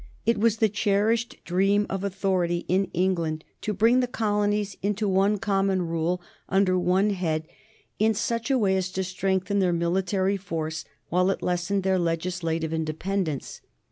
It was the cherished dream of authority in England to bring the colonies into one common rule under one head in such a way as to strengthen their military force while it lessened their legislative independence.